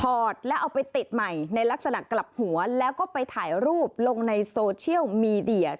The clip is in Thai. แล้วเอาไปติดใหม่ในลักษณะกลับหัวแล้วก็ไปถ่ายรูปลงในโซเชียลมีเดีย